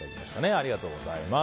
ありがとうございます。